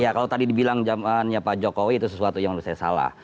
ya kalau tadi dibilang zamannya pak jokowi itu sesuatu yang menurut saya salah